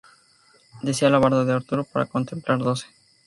Desea la barba de Arturo para completar doce.